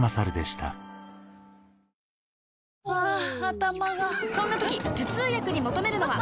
ハァ頭がそんな時頭痛薬に求めるのは？